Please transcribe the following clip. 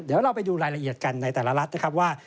เดี๋ยวเราไปดูรายละเอียดกันในแต่ละรัฐนะครับว่า